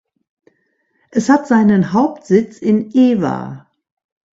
Es hat seinen Hauptsitz in Ewa.